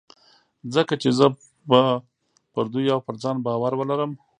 ځکه چې زه به پر دوی او پر ځان باور ولرم.